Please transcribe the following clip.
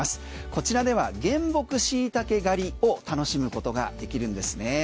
こちらでは原木シイタケ狩りを楽しむことができるんですね。